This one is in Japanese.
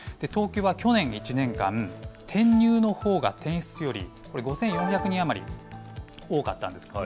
東京は去年１年間、転入のほうが転出より５４００人余り多かったんです。